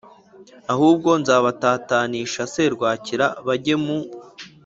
Ahubwo nzabatatanisha serwakira bajye mu